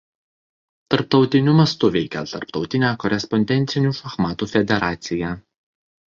Tarptautiniu mastu veikia Tarptautinė korespondencinių šachmatų federacija.